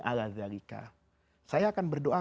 ala dhalika saya akan berdoa